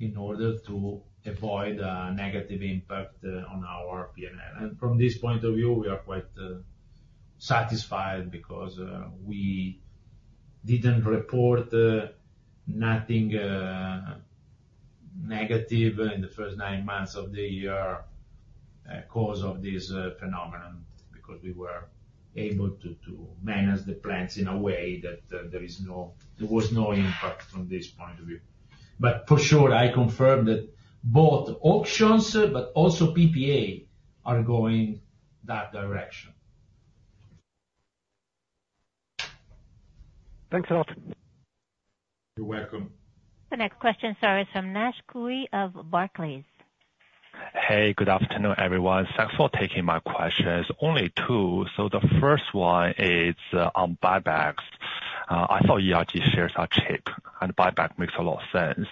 in order to avoid a negative impact on our P&L. From this point of view, we are quite satisfied because we didn't report nothing negative in the first nine months of the year because of this phenomenon, because we were able to manage the plants in a way that there was no impact from this point of view. But for sure, I confirm that both auctions, but also PPA, are going that direction. Thanks a lot. You're welcome. The next question, sorry, is from Nash Gui of Barclays. Hey, good afternoon, everyone. Thanks for taking my questions. Only two. So the first one is on buybacks. I thought ERG shares are cheap, and buyback makes a lot of sense.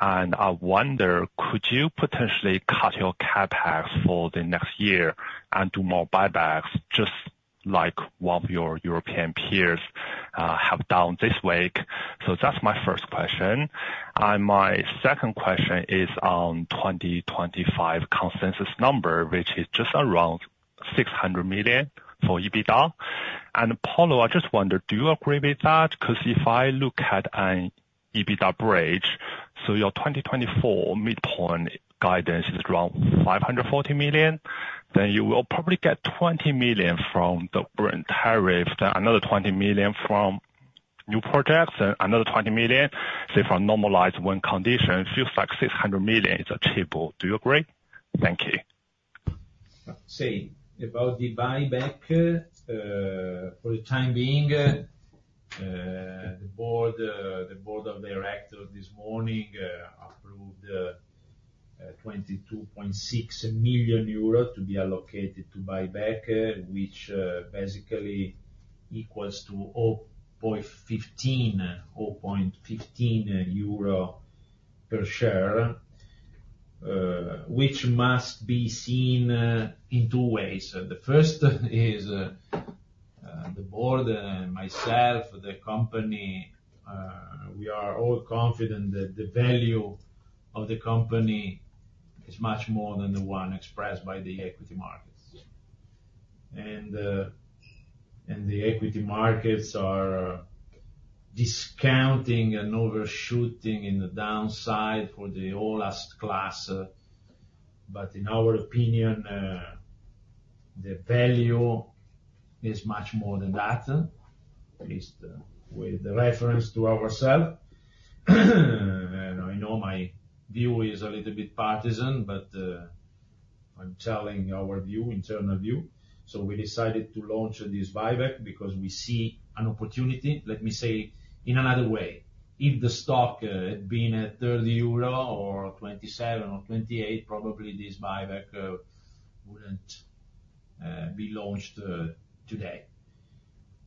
And I wonder, could you potentially cut your CapEx for the next year and do more buybacks, just like one of your European peers have done this week? So that's my first question. My second question is on 2025 consensus number, which is just around 600 million for EBITDA. Paolo, I just wonder, do you agree with that? Because if I look at an EBITDA bridge, so your 2024 midpoint guidance is around 540 million, then you will probably get 20 million from the Brent tariff, then another 20 million from new projects, then another 20 million, say, from normalized one condition. It feels like 600 million is achievable. Do you agree? Thank you. So, about the buyback, for the time being, the board of directors this morning approved 22.6 million euro to be allocated to buyback, which basically equals to 0.15 euro per share, which must be seen in two ways. The first is the board and myself, the company. We are all confident that the value of the company is much more than the one expressed by the equity markets. The equity markets are discounting and overshooting in the downside for the oldest class. In our opinion, the value is much more than that, at least with the reference to ourselves. I know my view is a little bit partisan, but I'm telling our view, internal view. We decided to launch this buyback because we see an opportunity. Let me say in another way, if the stock had been at 30 euro or 27 euro or 28, probably this buyback wouldn't be launched today.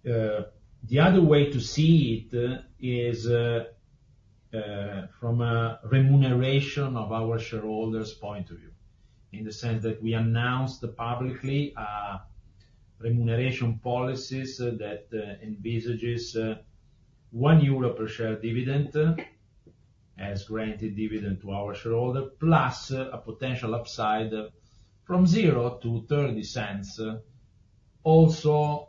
The other way to see it is from a remuneration of our shareholders' point of view, in the sense that we announced publicly remuneration policies that envisage 1 euro per share dividend as granted dividend to our shareholder, plus a potential upside from 0 to 0.30, also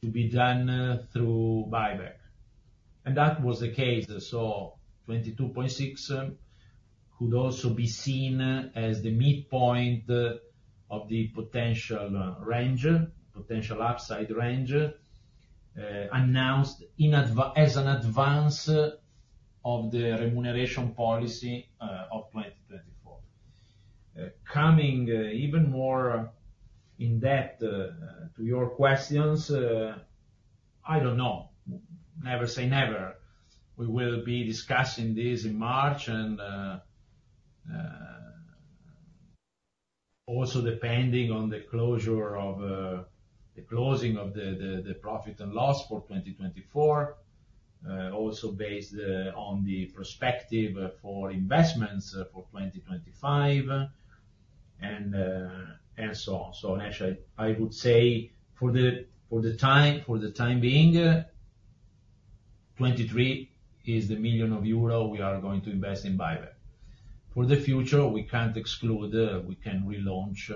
to be done through buyback, and that was the case, so 22.6 could also be seen as the midpoint of the potential range, potential upside range, announced as an advance of the remuneration policy of 2024. Coming even more in depth to your questions, I don't know. Never say never. We will be discussing this in March and also depending on the closure of the closing of the profit and loss for 2024, also based on the prospects for investments for 2025 and so on. So actually, I would say for the time being, 23 million euro is what we are going to invest in buyback. For the future, we can't exclude that we can relaunch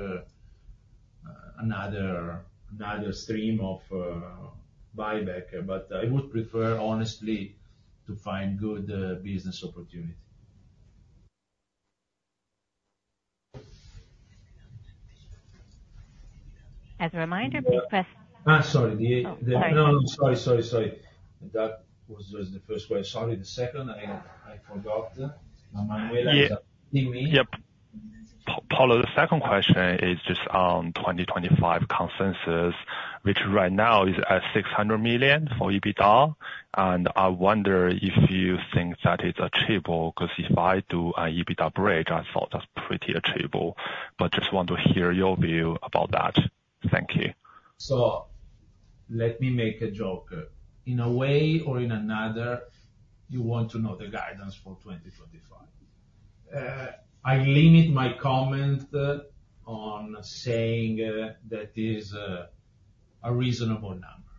another stream of buyback, but I would prefer, honestly, to find good business opportunities. As a reminder, please press. Sorry. That was just the first question. Sorry, the second, I forgot. Yep. Paolo, the second question is just on 2025 consensus, which right now is at 600 million for EBITDA. And I wonder if you think that it's achievable because if I do an EBITDA bridge, I thought that's pretty achievable, but just want to hear your view about that. Thank you. So let me make a joke. In a way or another, you want to know the guidance for 2025. I limit my comment on saying that is a reasonable number,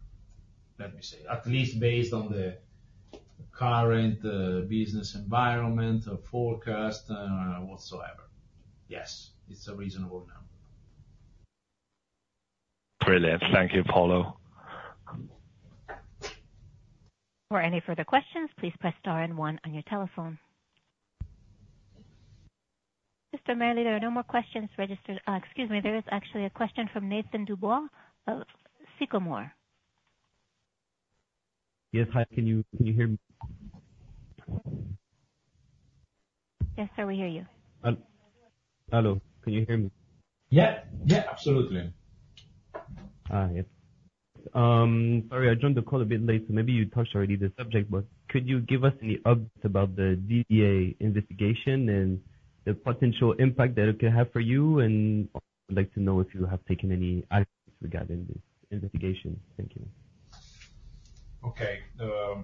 let me say, at least based on the current business environment or forecast whatsoever. Yes, it's a reasonable number. Brilliant. Thank you, Paolo. For any further questions, please press star and one on your telephone. Mr. Merli, there are no more questions registered. Excuse me, there is actually a question from Nathan Dubois of Sycomore. Yes, hi, can you hear me? Yes, sir, we hear you. Hello. Can you hear me? Yeah, yeah, absolutely. Sorry, I joined the call a bit late. So maybe you touched already the subject, but could you give us any updates about the DDA investigation and the potential impact that it could have for you? And I'd like to know if you have taken any actions regarding this investigation. Thank you. Okay. I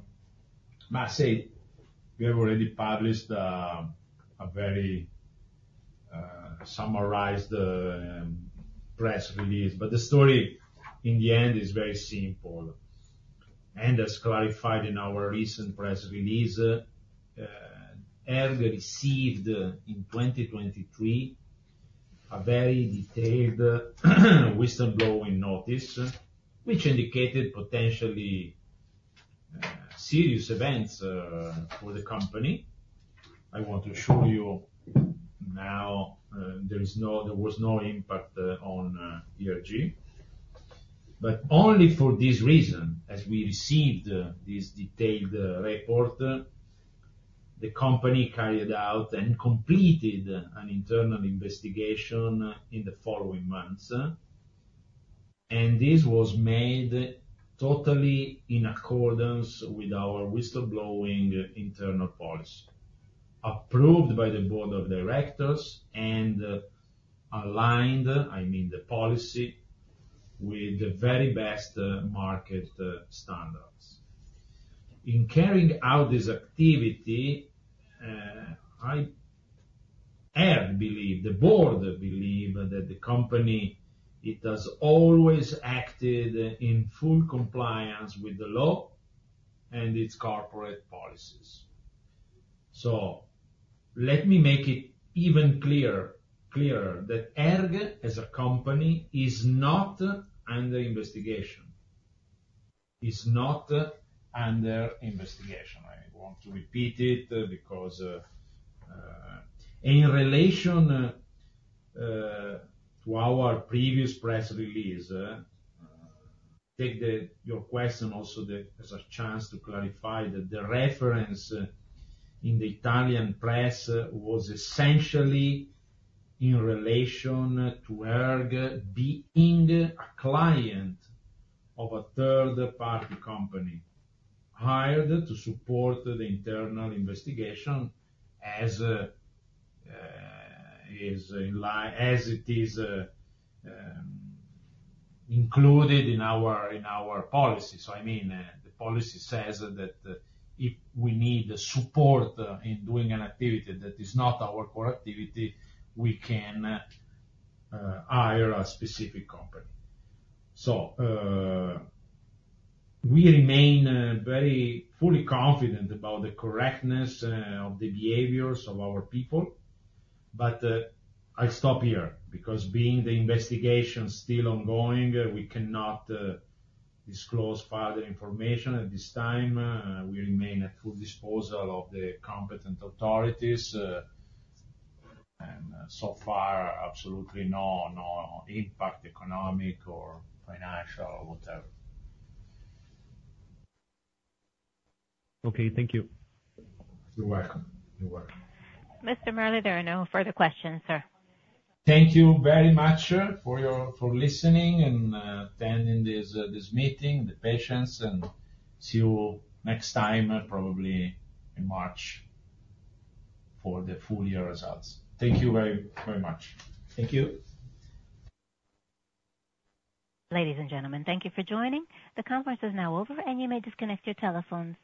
must say we have already published a very summarized press release, but the story in the end is very simple, and as clarified in our recent press release, ERG received in 2023 a very detailed whistleblowing notice, which indicated potentially serious events for the company. I want to show you now, there was no impact on ERG, but only for this reason, as we received this detailed report, the company carried out and completed an internal investigation in the following months, and this was made totally in accordance with our whistleblowing internal policy, approved by the board of directors and aligned, I mean, the policy with the very best market standards. In carrying out this activity, ERG believed, the board believed that the company has always acted in full compliance with the law and its corporate policies. So let me make it even clearer that ERG, as a company, is not under investigation. Is not under investigation. I want to repeat it because in relation to our previous press release, take your question also as a chance to clarify that the reference in the Italian press was essentially in relation to ERG being a client of a third-party company hired to support the internal investigation as it is included in our policy. So I mean, the policy says that if we need support in doing an activity that is not our core activity, we can hire a specific company. So we remain very fully confident about the correctness of the behaviors of our people. But I'll stop here because being the investigation still ongoing, we cannot disclose further information at this time. We remain at full disposal of the competent authorities. And so far, absolutely no impact, economic or financial, whatever. Okay, thank you. You're welcome. You're welcome. Mr. Merli, there are no further questions, sir. Thank you very much for listening and attending this meeting, your patience, and see you next time, probably in March, for the full year results. Thank you very much. Thank you. Ladies and gentlemen, thank you for joining. The conference is now over, and you may disconnect your telephones.